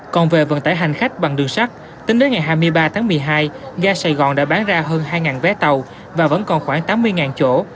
còn về vận tải hành khách bằng đường sắt tính đến ngày hai mươi ba tháng một mươi hai ga sài gòn đã bán ra hơn hai vé tàu và vẫn còn khoảng tám mươi chỗ